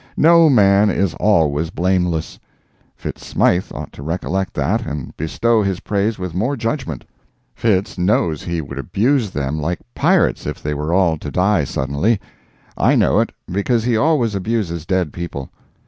No man is always blameless—Fitz Smythe ought to recollect that and bestow his praise with more judgment. Fitz knows he would abuse them like pirates if they were all to die suddenly. I know it, because he always abuses dead people.